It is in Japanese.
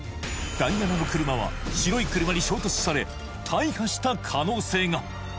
ダイアナの車は白い車に衝突され大破した可能性が！